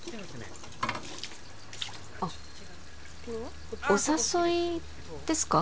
あお誘いですか？